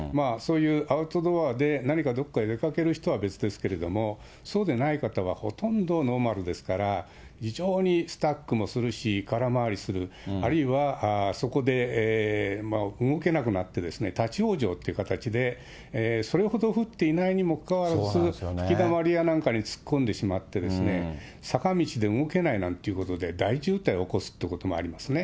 そういうアウトドアで何かどこかへ出かける人は別ですけれども、そうでない方はほとんどノーマルですから、非常にスタックもするし、空回りする、あるいはそこで動けなくなって、立往生という形で、それほど降っていないにもかかわらず、吹きだまりなんかに突っ込んでしまって、坂道で動けないなんてことで、大渋滞を起こすということもありま